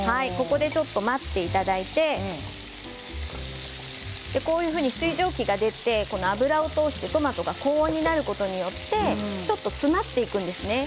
待っていただいて、このように水蒸気が出て、油を通してトマトが高温になることによって詰まっていくんですね。